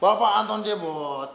bapak anton cebot